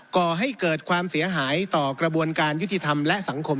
ก่อให้เกิดความเสียหายต่อกระบวนการยุติธรรมและสังคม